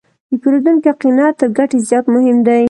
د پیرودونکي قناعت تر ګټې زیات مهم دی.